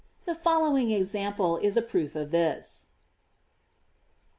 The follow ing example is a proof of this.